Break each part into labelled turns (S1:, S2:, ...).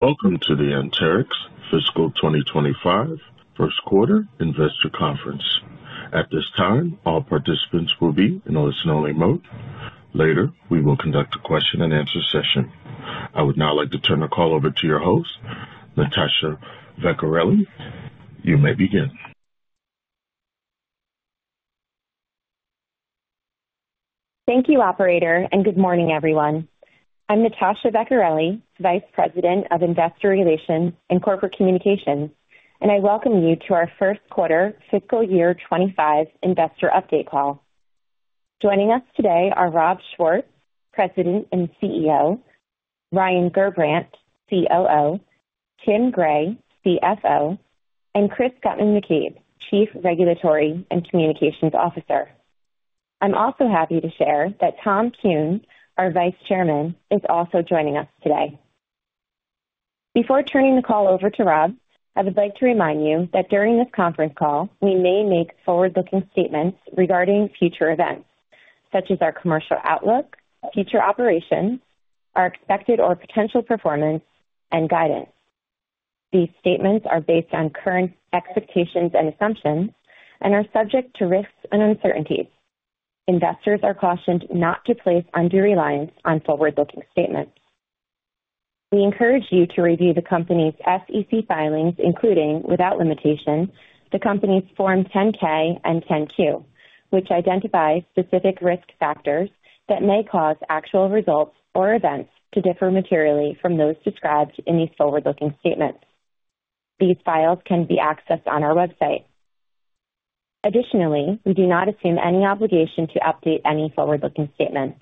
S1: Welcome to the Anterix Fiscal 2025 first quarter Investor conference. At this time, all participants will be in listen-only mode. Later, we will conduct a question-and-answer session. I would now like to turn the call over to your host, Natasha Vecchiarelli. You may begin.
S2: Thank you, operator, and good morning, everyone. I'm Natasha Vecchiarelli, Vice President of Investor Relations and Corporate Communications, and I welcome you to our first quarter fiscal year 25 investor update call. Joining us today are Rob Schwartz, President and CEO, Ryan Gerbrandt, COO, Tim Gray, CFO, and Chris Guttman-McCabe, Chief Regulatory and Communications Officer. I'm also happy to share that Tom Kuhn, our Vice Chairman, is also joining us today. Before turning the call over to Rob, I would like to remind you that during this conference call, we may make forward-looking statements regarding future events, such as our commercial outlook, future operations, our expected or potential performance, and guidance. These statements are based on current expectations and assumptions and are subject to risks and uncertainties. Investors are cautioned not to place undue reliance on forward-looking statements. We encourage you to review the company's SEC filings, including, without limitation, the company's Form 10-K and 10-Q, which identify specific risk factors that may cause actual results or events to differ materially from those described in these forward-looking statements. These filings can be accessed on our website. Additionally, we do not assume any obligation to update any forward-looking statements.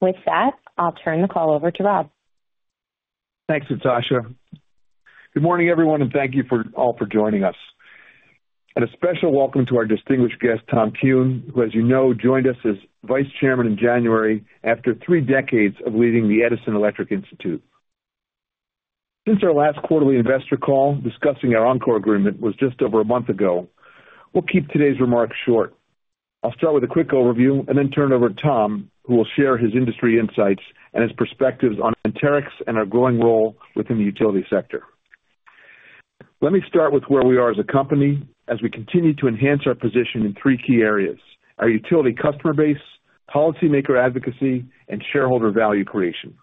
S2: With that, I'll turn the call over to Rob.
S3: Thanks, Natasha. Good morning, everyone, and thank you all for joining us. A special welcome to our distinguished guest, Tom Kuhn, who, as you know, joined us as vice chairman in January after three decades of leading the Edison Electric Institute. Since our last quarterly investor call discussing our Oncor agreement was just over a month ago, we'll keep today's remarks short. I'll start with a quick overview and then turn it over to Tom, who will share his industry insights and his perspectives on Anterix and our growing role within the utility sector. Let me start with where we are as a company as we continue to enhance our position in three key areas: our utility customer base, policymaker advocacy, and shareholder value creation.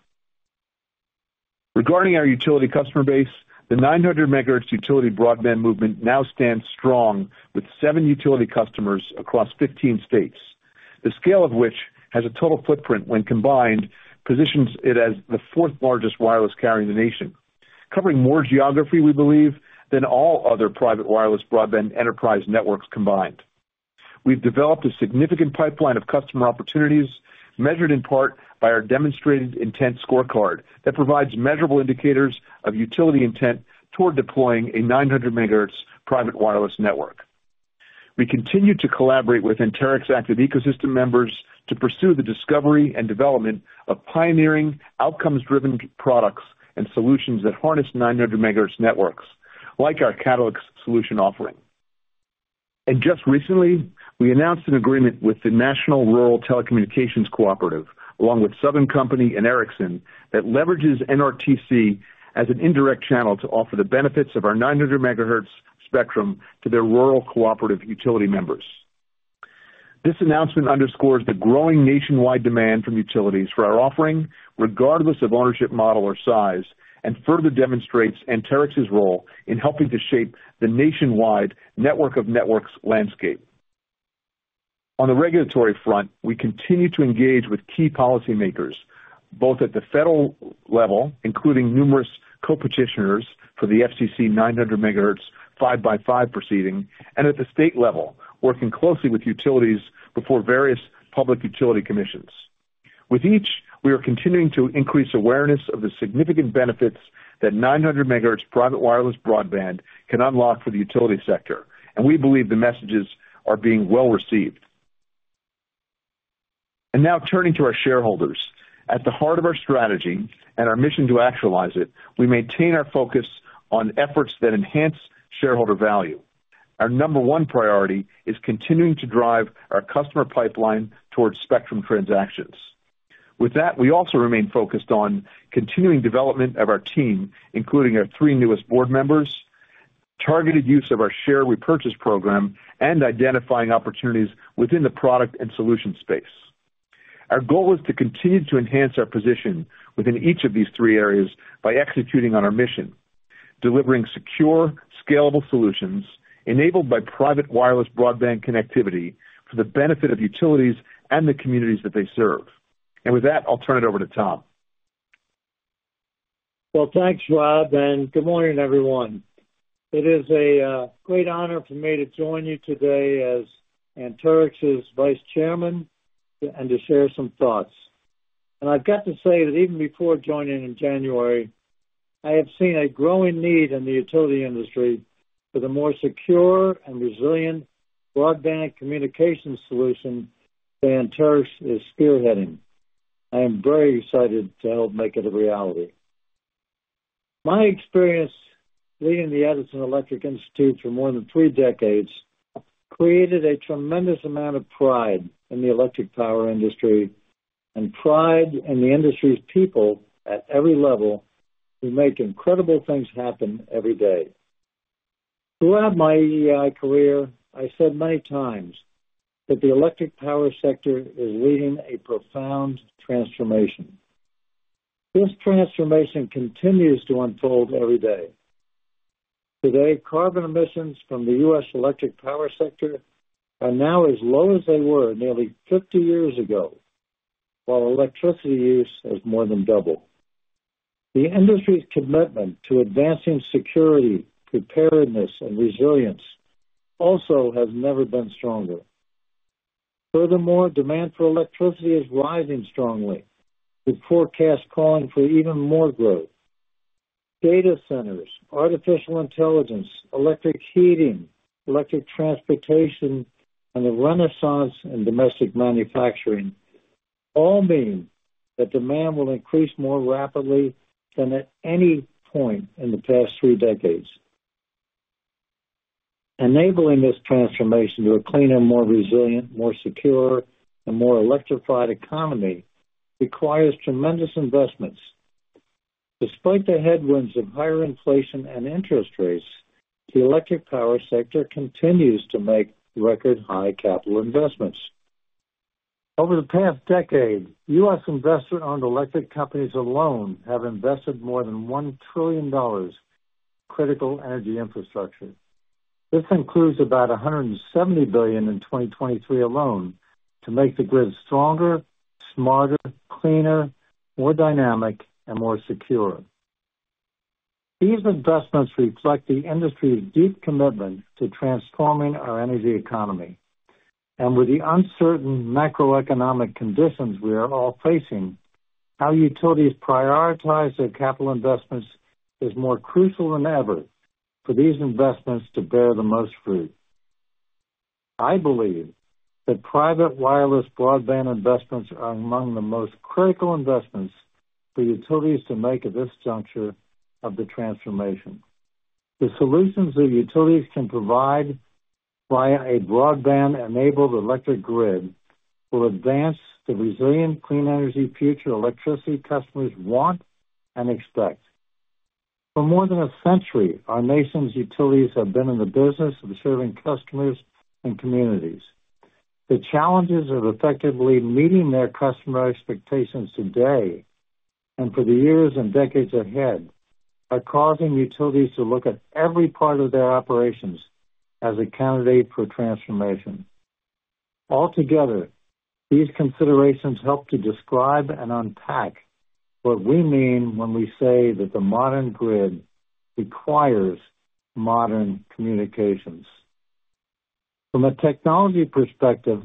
S3: Regarding our utility customer base, the 900 MHz utility broadband movement now stands strong with 7 utility customers across 15 states, the scale of which has a total footprint when combined, positions it as the fourth-largest wireless carrier in the nation, covering more geography, we believe, than all other private wireless broadband enterprise networks combined. We've developed a significant pipeline of customer opportunities, measured in part by our Demonstrated Intent Scorecard, that provides measurable indicators of utility intent toward deploying a 900 MHz private wireless network. We continue to collaborate with Anterix Active Ecosystem members to pursue the discovery and development of pioneering, outcomes-driven products and solutions that harness 900 MHz networks, like our CatalyX solution offering. Just recently, we announced an agreement with the National Rural Telecommunications Cooperative, along with Southern Company and Ericsson, that leverages NRTC as an indirect channel to offer the benefits of our 900 MHz spectrum to their rural cooperative utility members. This announcement underscores the growing nationwide demand from utilities for our offering, regardless of ownership, model, or size, and further demonstrates Anterix's role in helping to shape the nationwide network of networks landscape. On the regulatory front, we continue to engage with key policymakers, both at the federal level, including numerous co-petitioners for the FCC 900 MHz 5x5 proceeding, and at the state level, working closely with utilities before various public utility commissions. With each, we are continuing to increase awareness of the significant benefits that 900 MHz private wireless broadband can unlock for the utility sector, and we believe the messages are being well received. Now turning to our shareholders. At the heart of our strategy and our mission to actualize it, we maintain our focus on efforts that enhance shareholder value. Our number one priority is continuing to drive our customer pipeline towards spectrum transactions. With that, we also remain focused on continuing development of our team, including our three newest board members, targeted use of our share repurchase program, and identifying opportunities within the product and solution space. Our goal is to continue to enhance our position within each of these three areas by executing on our mission, delivering secure, scalable solutions enabled by private wireless broadband connectivity for the benefit of utilities and the communities that they serve. With that, I'll turn it over to Tom.
S4: Well, thanks, Rob, and good morning, everyone. It is a great honor for me to join you today as Anterix's Vice Chairman and to share some thoughts. I've got to say that even before joining in January, I have seen a growing need in the utility industry for the more secure and resilient broadband communications solution that Anterix is spearheading. I am very excited to help make it a reality. My experience leading the Edison Electric Institute for more than three decades created a tremendous amount of pride in the electric power industry and pride in the industry's people at every level, who make incredible things happen every day. Throughout my EEI career, I said many times that the electric power sector is leading a profound transformation. This transformation continues to unfold every day. Today, carbon emissions from the U.S. electric power sector are now as low as they were nearly 50 years ago, while electricity use has more than doubled. The industry's commitment to advancing security, preparedness, and resilience also has never been stronger. Furthermore, demand for electricity is rising strongly, with forecasts calling for even more growth. Data centers, artificial intelligence, electric heating, electric transportation, and the renaissance in domestic manufacturing all mean that demand will increase more rapidly than at any point in the past three decades. Enabling this transformation to a cleaner, more resilient, more secure, and more electrified economy requires tremendous investments. Despite the headwinds of higher inflation and interest rates, the electric power sector continues to make record-high capital investments. Over the past decade, U.S. investor-owned electric companies alone have invested more than $1 trillion critical energy infrastructure. This includes about $170 billion in 2023 alone, to make the grid stronger, smarter, cleaner, more dynamic, and more secure. These investments reflect the industry's deep commitment to transforming our energy economy. With the uncertain macroeconomic conditions we are all facing, how utilities prioritize their capital investments is more crucial than ever for these investments to bear the most fruit. I believe that private wireless broadband investments are among the most critical investments for utilities to make at this juncture of the transformation. The solutions that utilities can provide via a broadband-enabled electric grid will advance the resilient, clean energy future electricity customers want and expect. For more than a century, our nation's utilities have been in the business of serving customers and communities. The challenges of effectively meeting their customer expectations today, and for the years and decades ahead, are causing utilities to look at every part of their operations as a candidate for transformation. Altogether, these considerations help to describe and unpack what we mean when we say that the modern grid requires modern communications. From a technology perspective,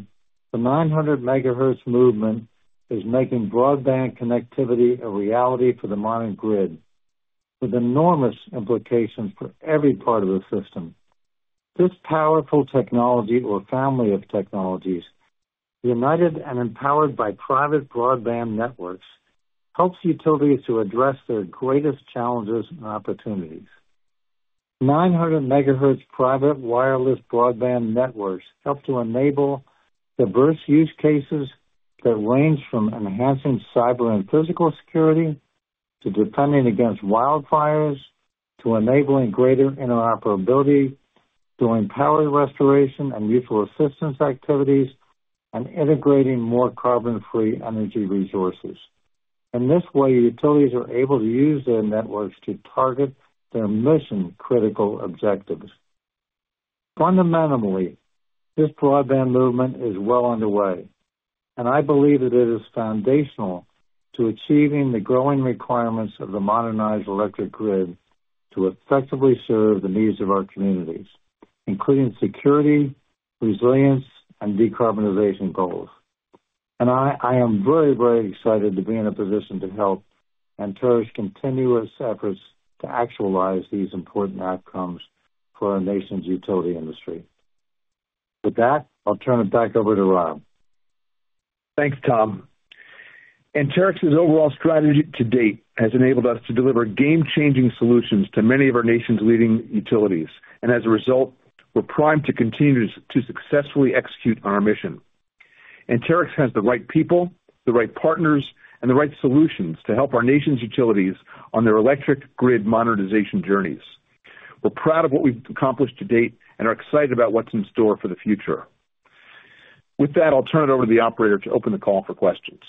S4: the 900 MHz movement is making broadband connectivity a reality for the modern grid, with enormous implications for every part of the system. This powerful technology, or family of technologies, united and empowered by private broadband networks, helps utilities to address their greatest challenges and opportunities. 900 MHz private wireless broadband networks help to enable diverse use cases that range from enhancing cyber and physical security, to defending against wildfires, to enabling greater interoperability, doing power restoration and mutual assistance activities, and integrating more carbon-free energy resources. In this way, utilities are able to use their networks to target their mission-critical objectives. Fundamentally, this broadband movement is well underway, and I believe that it is foundational to achieving the growing requirements of the modernized electric grid to effectively serve the needs of our communities, including security, resilience, and decarbonization goals. And I am very, very excited to be in a position to help Anterix's continuing efforts to actualize these important outcomes for our nation's utility industry. With that, I'll turn it back over to Rob.
S3: Thanks, Tom. Anterix's overall strategy to date has enabled us to deliver game-changing solutions to many of our nation's leading utilities, and as a result, we're primed to continue to successfully execute on our mission. Anterix has the right people, the right partners, and the right solutions to help our nation's utilities on their electric grid modernization journeys. We're proud of what we've accomplished to date and are excited about what's in store for the future. With that, I'll turn it over to the operator to open the call for questions.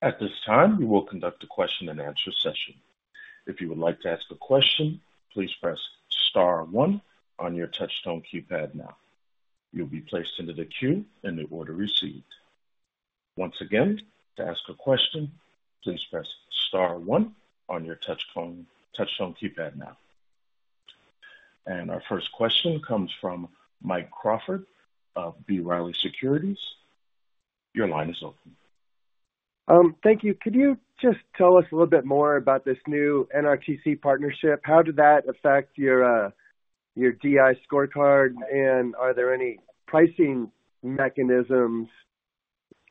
S1: At this time, we will conduct a question-and-answer session. If you would like to ask a question, please press Star one on your touch-tone keypad now. You'll be placed into the queue in the order received. Once again, to ask a question, please press Star one on your touch phone, touch-tone keypad now. Our first question comes from Mike Crawford of B. Riley Securities. Your line is open.
S5: Thank you. Could you just tell us a little bit more about this new NRTC partnership? How did that affect your, your DI scorecard, and are there any pricing mechanisms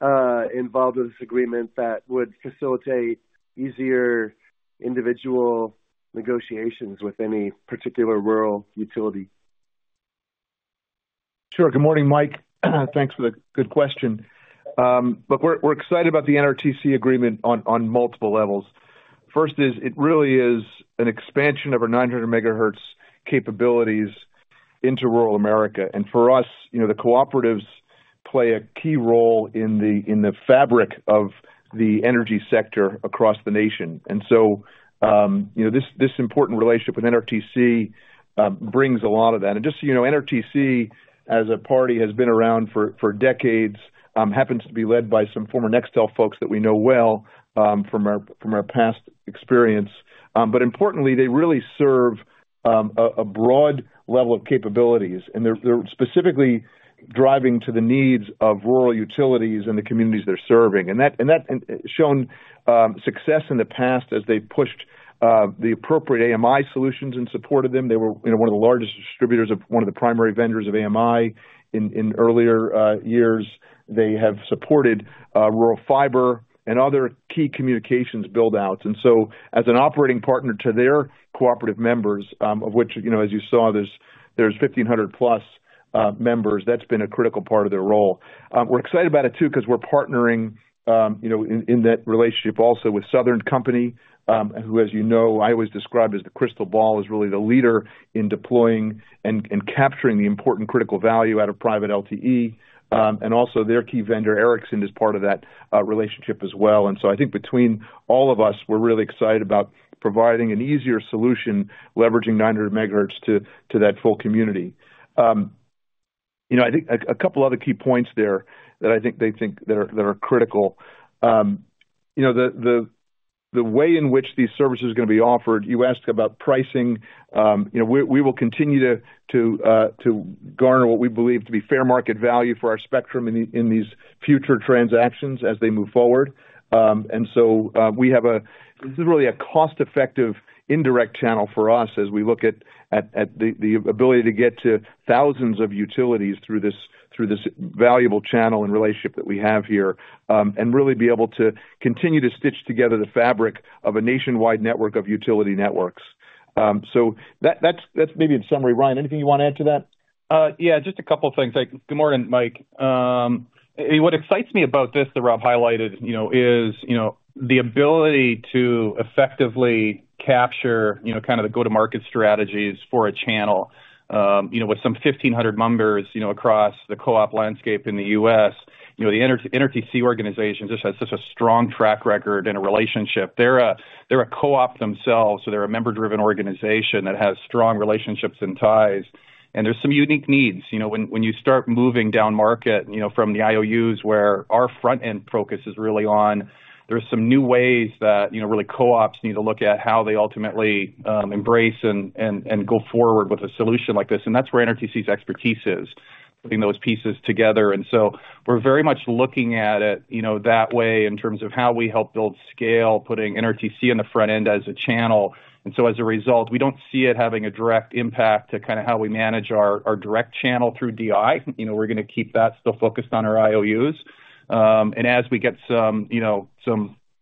S5: involved with this agreement that would facilitate easier individual negotiations with any particular rural utility?
S3: Sure. Good morning, Mike. Thanks for the good question. But we're excited about the NRTC agreement on multiple levels. First is, it really is an expansion of our 900 MHz capabilities into rural America. And for us, you know, the cooperatives play a key role in the fabric of the energy sector across the nation. And so, you know, this important relationship with NRTC brings a lot of that. And just so you know, NRTC, as a party, has been around for decades, happens to be led by some former Nextel folks that we know well, from our past experience. But importantly, they really serve a broad level of capabilities, and they're specifically driving to the needs of rural utilities and the communities they're serving. And that has shown success in the past as they pushed the appropriate AMI solutions and supported them. They were, you know, one of the largest distributors of one of the primary vendors of AMI in earlier years. They have supported rural fiber and other key communications build-outs. And so, as an operating partner to their cooperative members, of which, you know, as you saw, there's 1,500+ members, that's been a critical part of their role. We're excited about it too, 'cause we're partnering, you know, in that relationship also with Southern Company, who, as you know, I always describe as the crystal ball, is really the leader in deploying and capturing the important critical value out of private LTE. And also their key vendor, Ericsson, is part of that relationship as well. And so I think between all of us, we're really excited about providing an easier solution, leveraging 900 MHz to that full community. You know, I think a couple other key points there that I think they think that are critical. You know, the way in which these services are gonna be offered, you asked about pricing. You know, we will continue to garner what we believe to be fair market value for our spectrum in these future transactions as they move forward. And so, this is really a cost-effective, indirect channel for us as we look at the ability to get to thousands of utilities through this valuable channel and relationship that we have here. And really be able to continue to stitch together the fabric of a nationwide network of utility networks. So that's maybe in summary. Ryan, anything you want to add to that?
S6: Yeah, just a couple things. Good morning, Mike. What excites me about this, that Rob highlighted, you know, is, you know, the ability to effectively capture, you know, kind of the go-to-market strategies for a channel. You know, with some 1,500 members, you know, across the co-op landscape in the U.S., you know, the NRTC organization just has such a strong track record and a relationship. They're a, they're a co-op themselves, so they're a member-driven organization that has strong relationships and ties, and there's some unique needs. You know, when you start moving down market, you know, from the IOUs, where our front-end focus is really on, there are some new ways that, you know, really, co-ops need to look at how they ultimately embrace and go forward with a solution like this, and that's where NRTC's expertise is, putting those pieces together. And so we're very much looking at it, you know, that way, in terms of how we help build scale, putting NRTC on the front end as a channel. And so, as a result, we don't see it having a direct impact to kinda how we manage our direct channel through DI. You know, we're gonna keep that still focused on our IOUs. As we get some, you know,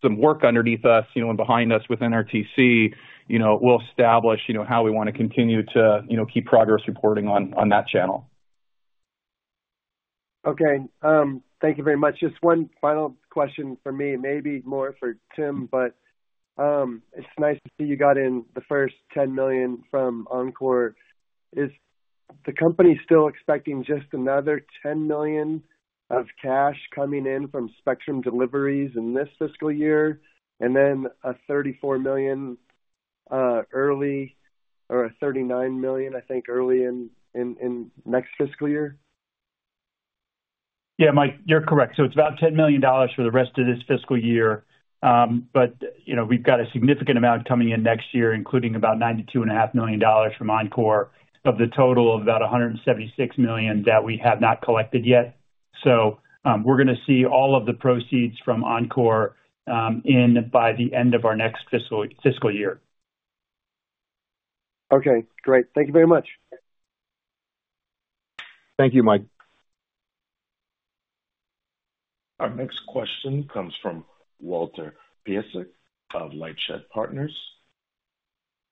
S6: work underneath us, you know, and behind us with NRTC, you know, we'll establish, you know, how we wanna continue to, you know, keep progress reporting on that channel.
S5: Okay. Thank you very much. Just one final question from me, maybe more for Tim, but, it's nice to see you got in the first $10 million from Oncor. Is the company still expecting just another $10 million of cash coming in from spectrum deliveries in this fiscal year, and then a $34 million, early, or a $39 million, I think, early in next fiscal year?
S7: Yeah, Mike, you're correct. So it's about $10 million for the rest of this fiscal year. But, you know, we've got a significant amount coming in next year, including about $92.5 million from Oncor, of the total of about $176 million that we have not collected yet. So, we're gonna see all of the proceeds from Oncor in by the end of our next fiscal year.
S5: Okay, great. Thank you very much.
S3: Thank you, Mike.
S1: Our next question comes from Walter Piecyk of LightShed Partners.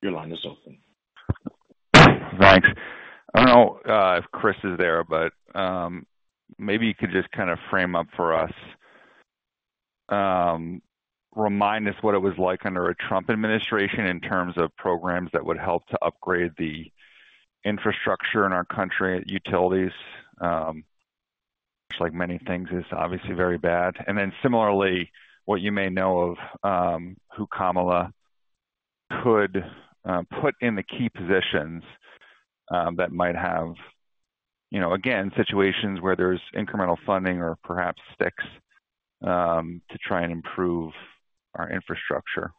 S1: Your line is open.
S8: Thanks. I don't know if Chris is there, but maybe you could just kind of frame up for us, remind us what it was like under a Trump administration in terms of programs that would help to upgrade the infrastructure in our country, utilities, which, like many things, is obviously very bad. And then similarly, what you may know of, who Kamala could put in the key positions, that might have, you know, again, situations where there's incremental funding or perhaps sticks, to try and improve our infrastructure.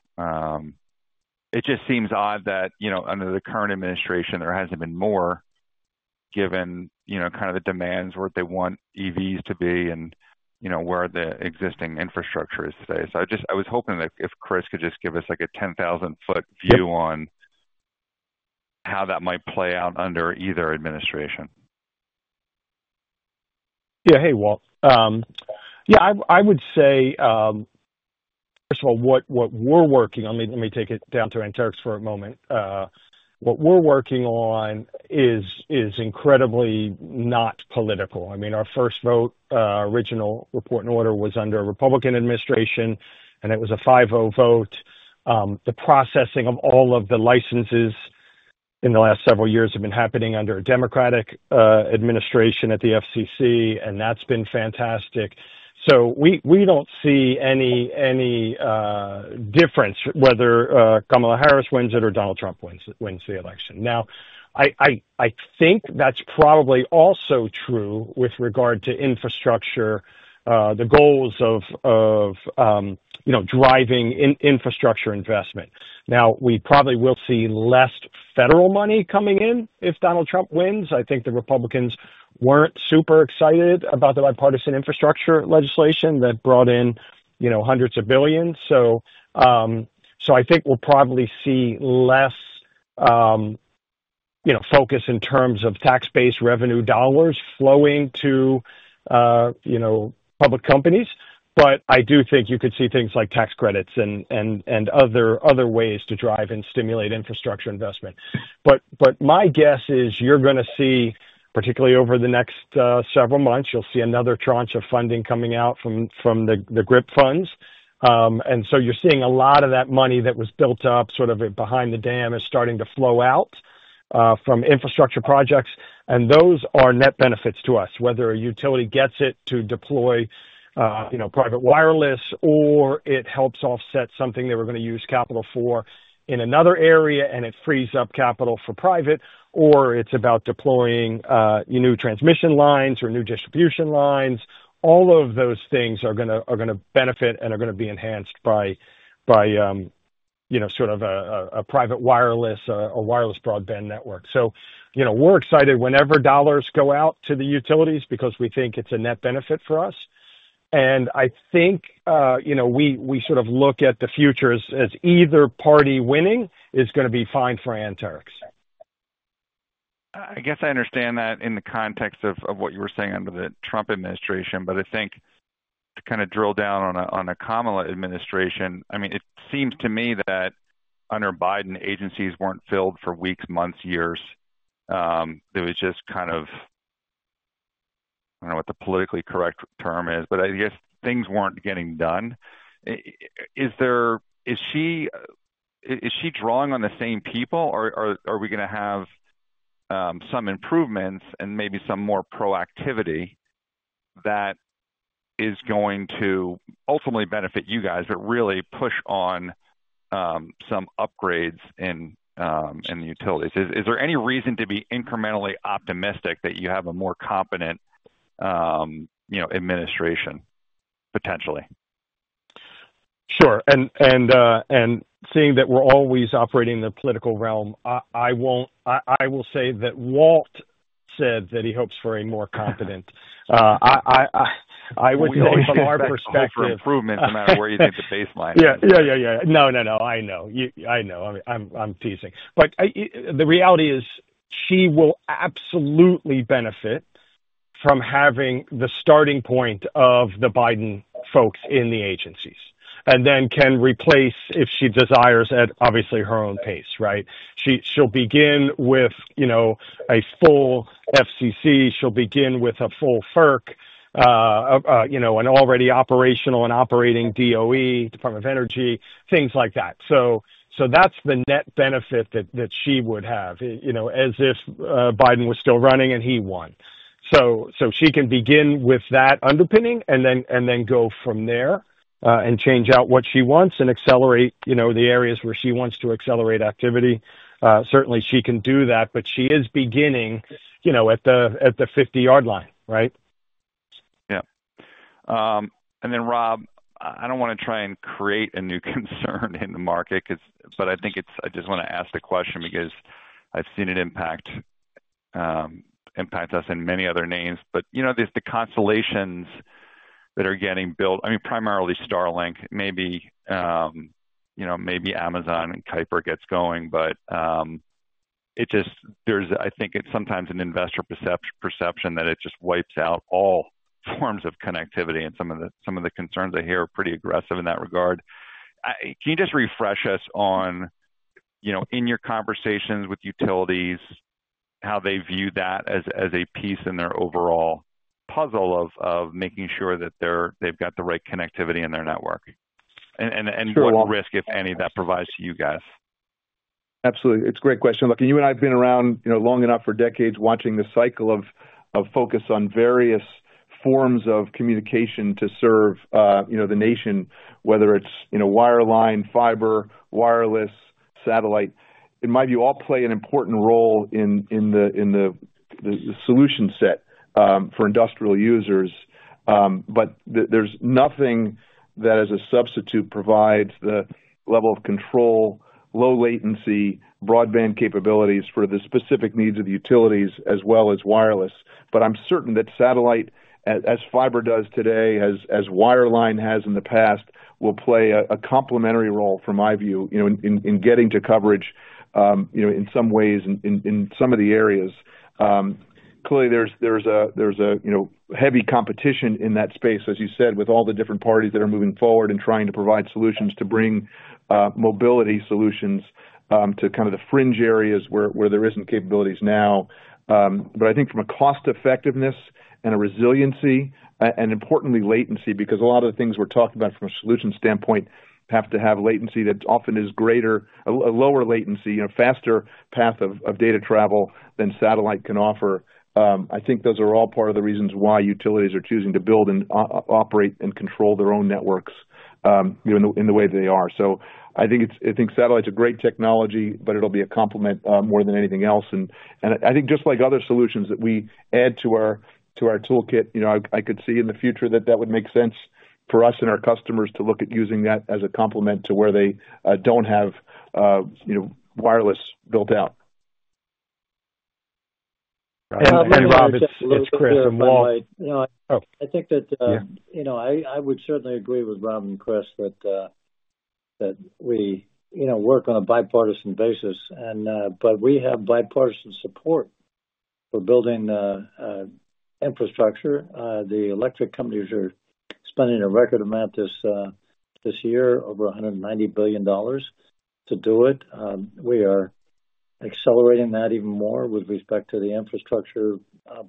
S8: It just seems odd that, you know, under the current administration, there hasn't been more given, you know, kind of the demands where they want EVs to be and, you know, where the existing infrastructure is today. So, I was hoping that if Chris could just give us, like, a 10,000 ft view on how that might play out under either administration?
S9: Yeah. Hey, Walt. Yeah, I would say, first of all, what we're working on, let me take it down to Anterix for a moment. What we're working on is incredibly not political. I mean, our first vote, original Report and Order was under a Republican administration, and it was a 5-0 vote. The processing of all of the licenses in the last several years have been happening under a Democratic administration at the FCC, and that's been fantastic. So we don't see any difference whether Kamala Harris wins it or Donald Trump wins the election. Now, I think that's probably also true with regard to infrastructure, the goals of, you know, driving infrastructure investment. Now, we probably will see less federal money coming in if Donald Trump wins. I think the Republicans weren't super excited about the bipartisan infrastructure legislation that brought in, you know, hundreds of billions. So, I think we'll probably see less, you know, focus in terms of tax-based revenue dollars flowing to, you know, public companies. But I do think you could see things like tax credits and other ways to drive and stimulate infrastructure investment. But my guess is you're gonna see, particularly over the next several months, you'll see another tranche of funding coming out from the GRIP funds. And so you're seeing a lot of that money that was built up, sort of behind the dam, is starting to flow out from infrastructure projects, and those are net benefits to us, whether a utility gets it to deploy, you know, private wireless, or it helps offset something they were gonna use capital for in another area, and it frees up capital for private, or it's about deploying new transmission lines or new distribution lines. All of those things are gonna be enhanced by, by you know, sort of a private wireless, a wireless broadband network. So, you know, we're excited whenever dollars go out to the utilities because we think it's a net benefit for us. I think, you know, we sort of look at the future as either party winning is gonna be fine for Anterix.
S8: I guess I understand that in the context of what you were saying under the Trump administration, but I think to kinda drill down on a Kamala administration, I mean, it seems to me that under Biden, agencies weren't filled for weeks, months, years. It was just kind of. I don't know what the politically correct term is, but I guess things weren't getting done. Is she drawing on the same people, or are we gonna have some improvements and maybe some more proactivity that is going to ultimately benefit you guys, but really push on some upgrades in the utilities? Is there any reason to be incrementally optimistic that you have a more competent, you know, administration, potentially?
S9: Sure. Seeing that we're always operating in the political realm, I won't. I would say from our perspective-
S8: Hope for improvement, no matter where you think the baseline is.
S9: Yeah. Yeah, yeah, yeah. No, no, no, I know. You, I know. I'm, I'm teasing. But I, the reality is, she will absolutely benefit from having the starting point of the Biden folks in the agencies, and then can replace, if she desires, at obviously her own pace, right? She, she'll begin with, you know, a full FCC. She'll begin with a full FERC, you know, an already operational and operating DOE, Department of Energy, things like that. So, that's the net benefit that, that she would have, you know, as if, Biden was still running and he won. So, she can begin with that underpinning and then, and then go from there, and change out what she wants and accelerate, you know, the areas where she wants to accelerate activity. Certainly she can do that, but she is beginning, you know, at the 50-yard line, right?
S8: Yeah. And then, Rob, I don't wanna try and create a new concern in the market, 'cause but I think it's I just wanna ask the question because I've seen an impact, impact us and many other names. But, you know, there's the constellations that are getting built, I mean, primarily Starlink, maybe, you know, maybe Amazon and Kuiper gets going, but, it just there's, I think it's sometimes an investor perception that it just wipes out all forms of connectivity, and some of the, some of the concerns I hear are pretty aggressive in that regard. Can you just refresh us on, you know, in your conversations with utilities, how they view that as a piece in their overall puzzle of making sure that they're they've got the right connectivity in their network?
S3: Sure.
S8: What risk, if any, that provides to you guys?
S3: Absolutely. It's a great question. Look, you and I have been around, you know, long enough for decades, watching the cycle of focus on various forms of communication to serve, you know, the nation, whether it's, you know, wireline, fiber, wireless, satellite. In my view, all play an important role in the solution set for industrial users. But there's nothing that, as a substitute, provides the level of control, low latency, broadband capabilities for the specific needs of the utilities as well as wireless. But I'm certain that satellite, as fiber does today, as wireline has in the past, will play a complementary role from my view, you know, in getting to coverage, you know, in some ways, in some of the areas... Clearly, there's a, there's a, you know, heavy competition in that space, as you said, with all the different parties that are moving forward and trying to provide solutions to bring mobility solutions to kind of the fringe areas where there isn't capabilities now. But I think from a cost-effectiveness and a resiliency, and importantly, latency, because a lot of the things we're talking about from a solution standpoint have to have latency that often is greater. A lower latency and a faster path of data travel than satellite can offer. I think those are all part of the reasons why utilities are choosing to build and operate and control their own networks, you know, in the way they are. So I think satellite's a great technology, but it'll be a complement, more than anything else. And I think just like other solutions that we add to our toolkit, you know, I could see in the future that that would make sense for us and our customers to look at using that as a complement to where they don't have, you know, wireless built out.
S9: Hey, Rob, it's Chris from Wall-
S4: You know,
S6: Oh.
S4: I think that,
S6: Yeah
S4: You know, I would certainly agree with Rob and Chris that, that we, you know, work on a bipartisan basis and, but we have bipartisan support for building, infrastructure. The electric companies are spending a record amount this year, over $190 billion to do it. We are accelerating that even more with respect to the infrastructure,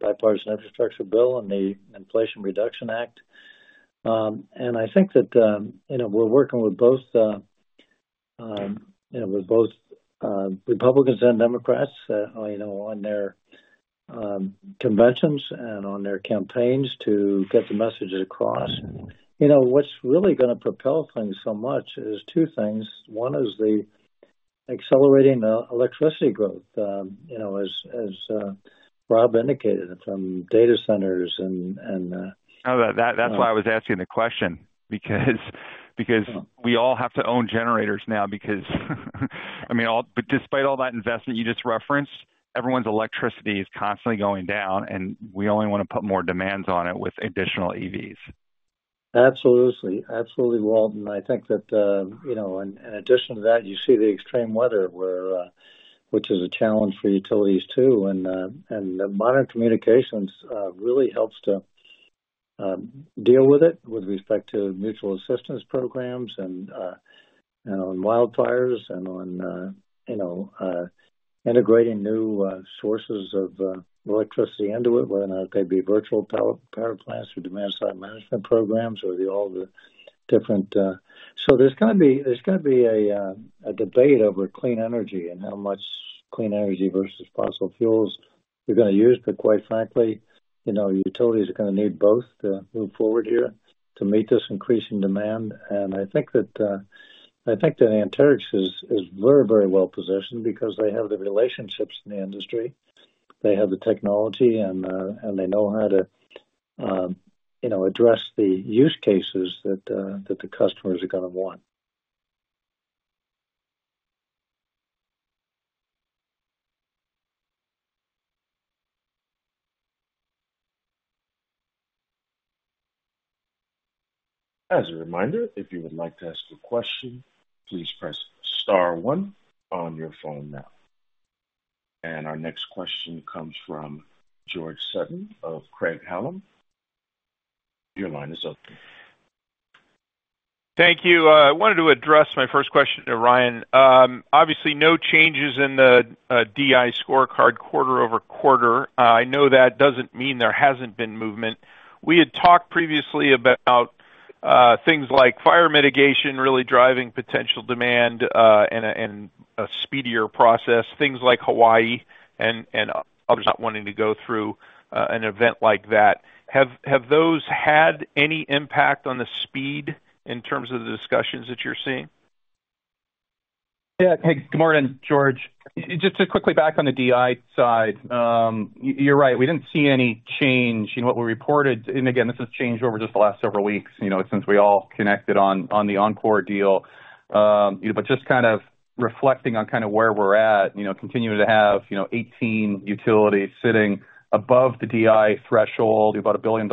S4: bipartisan infrastructure bill and the Inflation Reduction Act. And I think that, you know, we're working with both, you know, with both, Republicans and Democrats, you know, on their, conventions and on their campaigns to get the message across. You know, what's really gonna propel things so much is two things. One is the accelerating electricity growth, you know, as, as Rob indicated, from data centers and, and-
S8: Oh, that's why I was asking the question, because we all have to own generators now, because, I mean, all but despite all that investment you just referenced, everyone's electricity is constantly going down, and we only want to put more demands on it with additional EVs.
S4: Absolutely. Absolutely, Walt. I think that, you know, in addition to that, you see the extreme weather, which is a challenge for utilities, too. And modern communications really helps to deal with it with respect to mutual assistance programs and on wildfires and on, you know, integrating new sources of electricity into it, whether they be virtual power plants or demand-side management programs or all the different. So there's gonna be a debate over clean energy and how much clean energy versus fossil fuels we're gonna use. But quite frankly, you know, utilities are gonna need both to move forward here to meet this increasing demand. And I think that, I think that Anterix is very, very well positioned because they have the relationships in the industry, they have the technology, and, and they know how to, you know, address the use cases that the customers are gonna want.
S1: As a reminder, if you would like to ask a question, please press Star one on your phone now. Our next question comes from George Sutton of Craig-Hallum. Your line is open.
S10: Thank you. I wanted to address my first question to Ryan. Obviously, no changes in the DI scorecard quarter-over-quarter. I know that doesn't mean there hasn't been movement. We had talked previously about things like fire mitigation really driving potential demand, and a speedier process, things like Hawaii and others not wanting to go through an event like that. Have those had any impact on the speed in terms of the discussions that you're seeing?
S6: Yeah. Hey, good morning, George. Just to quickly back on the DI side, you're right. We didn't see any change in what we reported. And again, this has changed over just the last several weeks, you know, since we all connected on the Oncor deal. But just kind of reflecting on kind of where we're at, you know, continuing to have, you know, 18 utilities sitting above the DI threshold, about $1 billion,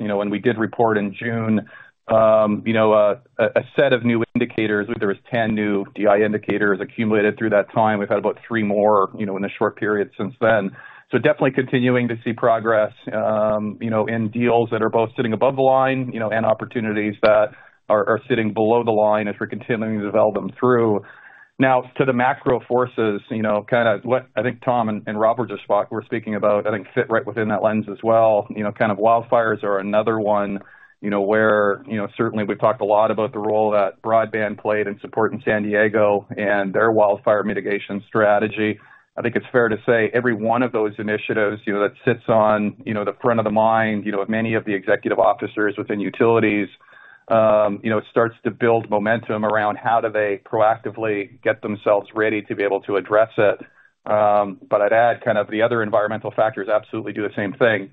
S6: you know, and we did report in June, you know, a set of new indicators. There was 10 new DI indicators accumulated through that time. We've had about 3 more, you know, in a short period since then. So definitely continuing to see progress, you know, in deals that are both sitting above the line, you know, and opportunities that are sitting below the line as we're continuing to develop them through. Now, to the macro forces, you know, kind of what I think Tom and Rob were just talking about, I think fit right within that lens as well. You know, kind of wildfires are another one, you know, where, you know, certainly we've talked a lot about the role that broadband played in supporting San Diego and their wildfire mitigation strategy. I think it's fair to say every one of those initiatives, you know, that sits on, you know, the front of the mind, you know, of many of the executive officers within utilities, you know, starts to build momentum around how do they proactively get themselves ready to be able to address it. But I'd add kind of the other environmental factors absolutely do the same thing.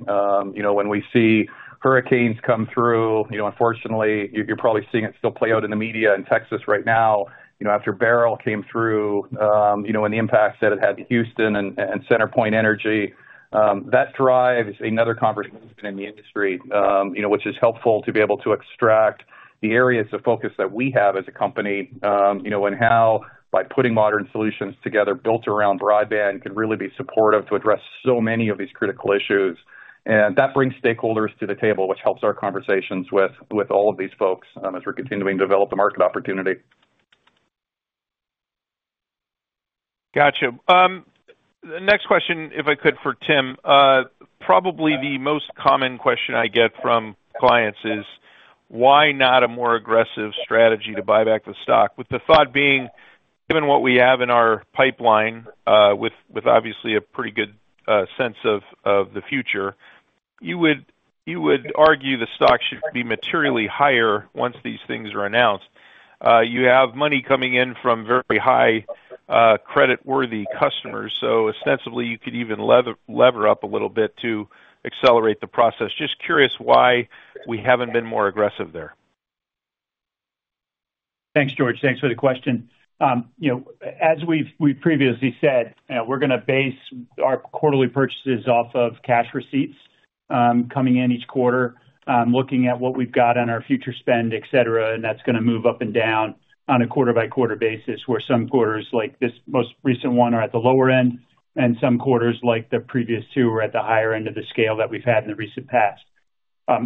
S6: You know, when we see hurricanes come through, you know, unfortunately, you're probably seeing it still play out in the media in Texas right now, you know, after Beryl came through, you know, and the impacts that it had to Houston and and CenterPoint Energy, that drives another conversation in the industry, you know, which is helpful to be able to extract the areas of focus that we have as a company. You know, how by putting modern solutions together, built around broadband, can really be supportive to address so many of these critical issues. And that brings stakeholders to the table, which helps our conversations with, with all of these folks, as we're continuing to develop the market opportunity.
S10: Gotcha. The next question, if I could, for Tim. Probably the most common question I get from clients is: why not a more aggressive strategy to buy back the stock? With the thought being, given what we have in our pipeline, with obviously a pretty good sense of the future, you would argue the stock should be materially higher once these things are announced. You have money coming in from very high creditworthy customers, so ostensibly, you could even lever up a little bit to accelerate the process. Just curious why we haven't been more aggressive there.
S7: Thanks, George. Thanks for the question. You know, as we've previously said, we're gonna base our quarterly purchases off of cash receipts coming in each quarter, looking at what we've got on our future spend, et cetera, and that's gonna move up and down on a quarter-by-quarter basis, where some quarters, like this most recent one, are at the lower end, and some quarters, like the previous two, are at the higher end of the scale that we've had in the recent past.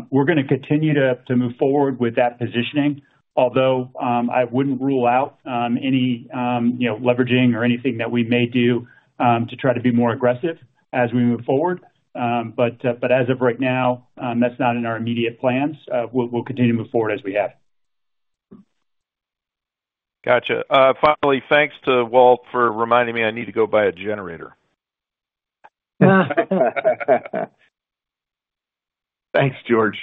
S7: We're gonna continue to move forward with that positioning, although I wouldn't rule out any, you know, leveraging or anything that we may do to try to be more aggressive as we move forward. But as of right now, that's not in our immediate plans. We'll continue to move forward as we have.
S10: Gotcha. Finally, thanks to Walt for reminding me I need to go buy a generator.
S7: Thanks, George.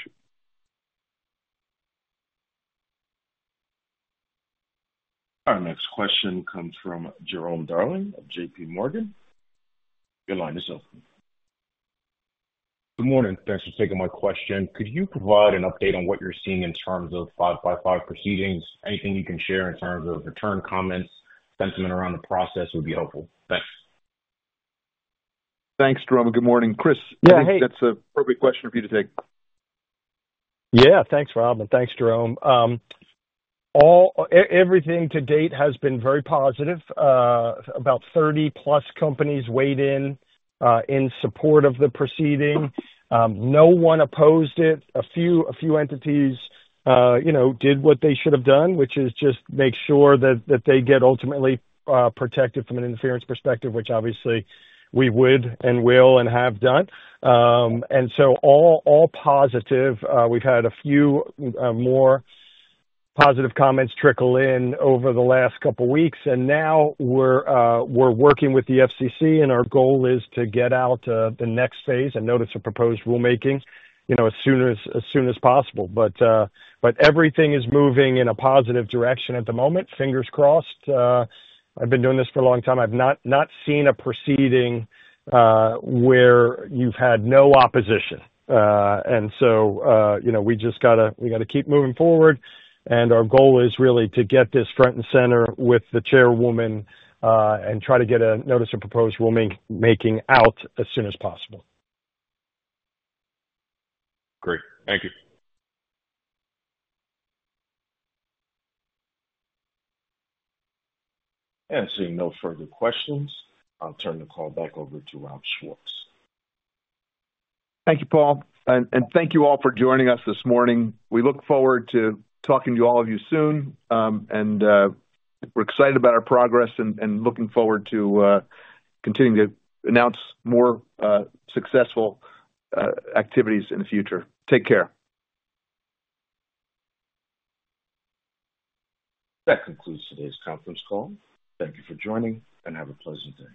S1: Our next question comes from Jerome Darling of J Morgan. Your line is open.
S11: Good morning. Thanks for taking my question. Could you provide an update on what you're seeing in terms of 5x5 proceedings? Anything you can share in terms of return comments, sentiment around the process, would be helpful. Thanks.
S3: Thanks, Jerome, and good morning. Chris-
S9: Yeah, hey-
S3: That's a perfect question for you to take.
S9: Yeah. Thanks, Rob, and thanks, Jerome. Everything to date has been very positive. About 30+ companies weighed in in support of the proceeding. No one opposed it. A few entities, you know, did what they should have done, which is just make sure that they get ultimately protected from an interference perspective, which obviously we would and will and have done. And so all positive. We've had a few more positive comments trickle in over the last couple weeks, and now we're working with the FCC, and our goal is to get out the next phase, a Notice of Proposed Rulemaking, you know, as soon as possible. But everything is moving in a positive direction at the moment. Fingers crossed. I've been doing this for a long time. I've not seen a proceeding where you've had no opposition. And so, you know, we just gotta keep moving forward, and our goal is really to get this front and center with the chairwoman and try to get a Notice of Proposed Rulemaking out as soon as possible.
S11: Great. Thank you.
S1: Seeing no further questions, I'll turn the call back over to Rob Schwartz.
S3: Thank you, Paul, and thank you all for joining us this morning. We look forward to talking to all of you soon. We're excited about our progress and looking forward to continuing to announce more successful activities in the future. Take care.
S1: That concludes today's conference call. Thank you for joining, and have a pleasant day.